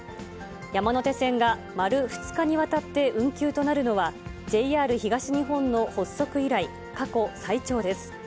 山手線が丸２日にわたって運休となるのは、ＪＲ東日本の発足以来、過去最長です。